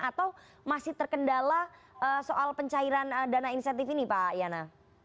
atau masih terkendala soal pencairan dana insentif ini pak yana